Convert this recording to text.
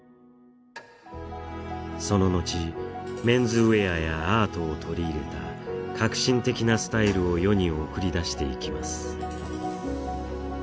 そののちメンズウエアやアートを取り入れた革新的なスタイルを世に送り出していきます